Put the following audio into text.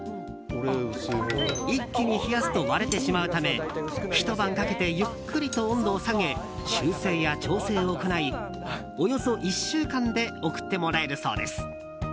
一気に冷やすと割れてしまうためひと晩かけてゆっくりと温度を下げ修正や調整を行いおよそ１週間で送ってもらえるそうです。